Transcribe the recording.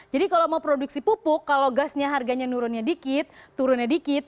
jadi kalau mau produksi pupuk kalau gasnya harganya nurunnya dikit turunnya dikit